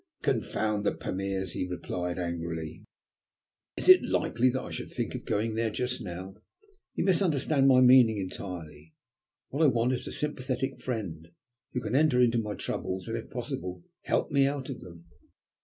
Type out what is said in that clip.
"Confound the Pamirs!" he replied angrily. "Is it likely that I should think of going there just now? You misunderstand my meaning entirely. What I want is a sympathetic friend, who can enter into my troubles, and if possible help me out of them."